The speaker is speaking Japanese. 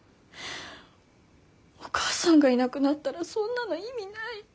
お母さんがいなくなったらそんなの意味ない。